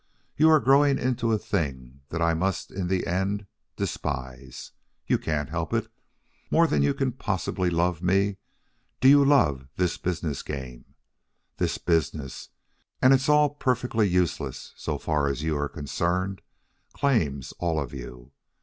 You are growing into a thing that I must in the end despise. You can't help it. More than you can possibly love me, do you love this business game. This business and it's all perfectly useless, so far as you are concerned claims all of you.